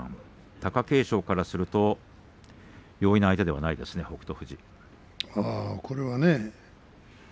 貴景勝からすると容易な相手ではないですね北勝